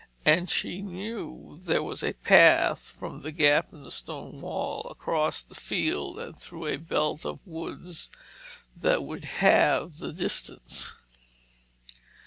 And she knew there was a path from the gap in the stone wall, across the field and through a belt of woods that would halve the distance.